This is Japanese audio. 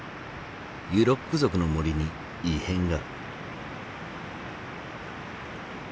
ユロック族の森に異変が。